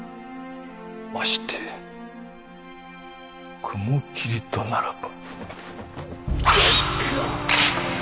まして雲霧とならば。